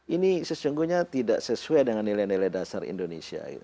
ini sesungguhnya tidak sesuai dengan nilai nilai dasar indonesia